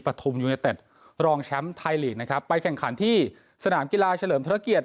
ทุมยูเนเต็ดรองแชมป์ไทยลีกนะครับไปแข่งขันที่สนามกีฬาเฉลิมพระเกียรติ